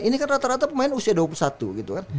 ini kan rata rata pemain usia dua puluh satu gitu kan